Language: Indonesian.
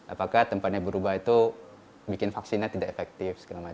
apakah tempatnya berubah itu bikin vaksinnya tidak efektif